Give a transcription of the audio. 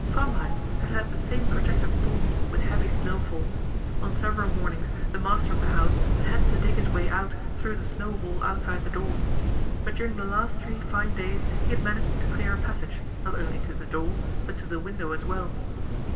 Framheim had had the same protracted storms with heavy snowfall. On several mornings the master of the house had had to dig his way out through the snow wall outside the door; but during the last three fine days he had managed to clear a passage, not only to the door, but to the window as well.